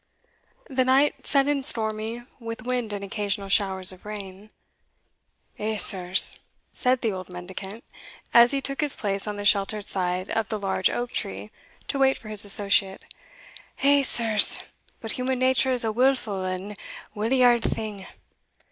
The night set in stormy, with wind and occasional showers of rain. "Eh, sirs," said the old mendicant, as he took his place on the sheltered side of the large oak tree to wait for his associate "Eh, sirs, but human nature's a wilful and wilyard thing!